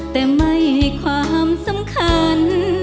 แต่ไม่ให้ความสำคัญ